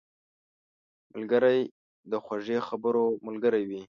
ملګری د خوږو خبرو ملګری وي